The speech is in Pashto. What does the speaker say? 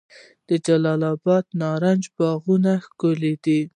د جلال اباد د نارنج باغونه ښکلي دي.